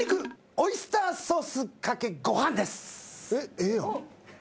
ええやん。